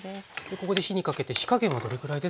ここで火にかけて火加減はどれくらいですか？